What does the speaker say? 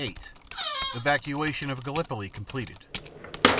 8 Evacuation of Gallipoli completed.